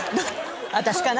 私かな。